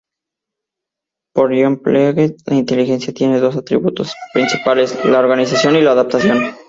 Para Jean Piaget, la inteligencia tiene dos atributos principales: la organización y la adaptación.